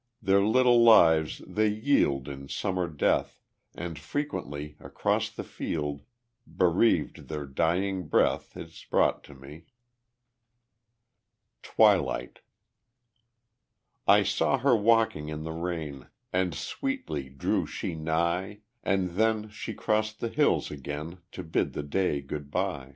Their little lives they yield in summer death, And frequently Across the field bereaved their dying breath Is brought to me. Twilight I saw her walking in the rain, And sweetly drew she nigh; And then she crossed the hills again To bid the day good by.